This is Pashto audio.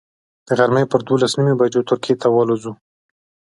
د غرمې پر دولس نیمو بجو ترکیې ته والوځو.